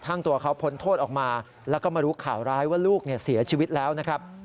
ตัวเขาพ้นโทษออกมาแล้วก็มารู้ข่าวร้ายว่าลูกเสียชีวิตแล้วนะครับ